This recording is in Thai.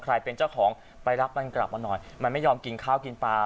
เป็นเจ้าของไปรับมันกลับมาหน่อยมันไม่ยอมกินข้าวกินปลา